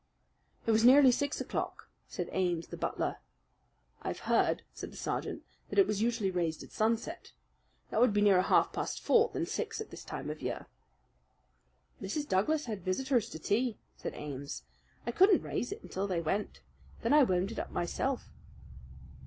"It was nearly six o'clock," said Ames, the butler. "I've heard," said the sergeant, "that it was usually raised at sunset. That would be nearer half past four than six at this time of year." "Mrs. Douglas had visitors to tea," said Ames. "I couldn't raise it until they went. Then I wound it up myself."